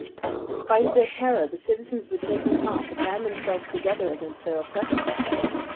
In spite of their terror the citizens were taking heart to band themselves together against their oppressors.